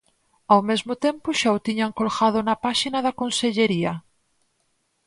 Ao mesmo tempo xa o tiñan colgado na páxina da Consellería.